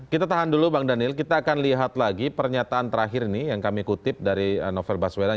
kita tahan dulu bang daniel kita akan lihat lagi pernyataan terakhir ini yang kami kutip dari novel baswedan